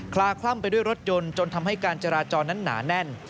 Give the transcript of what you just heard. ลาคล่ำไปด้วยรถยนต์จนทำให้การจราจรนั้นหนาแน่น